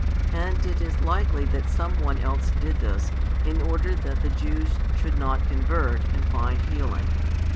And it is likely that some one else did this, in order that the Jews should not convert and find healing.